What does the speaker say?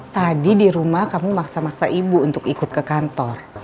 tadi di rumah kamu maksa maksa ibu untuk ikut ke kantor